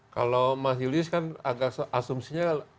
kalau mas julius kan agak asumsinya